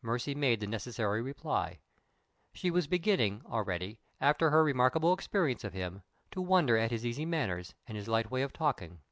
Mercy made the necessary reply. She was beginning already, after her remarkable experience of him, to wonder at his easy manners and his light way of talking.